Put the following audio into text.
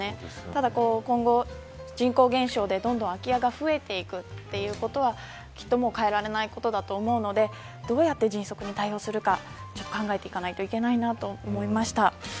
ただ、今後人口減少でどんどん空き家が増えていくということはきっと、もう変えられないことだと思うのでどうやって迅速に対応するか考えていかないといけないなと思いました。